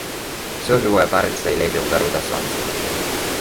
Усё жывое парыцца і лезе ў гару да сонца.